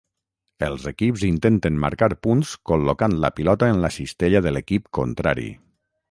Els equips intenten marcar punts col·locant la pilota en la cistella de l'equip contrari.